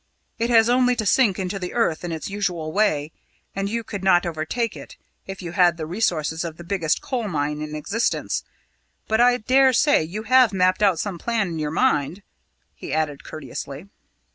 It has only to sink into the earth in its usual way, and you could not overtake it if you had the resources of the biggest coal mine in existence. But I daresay you have mapped out some plan in your mind," he added courteously.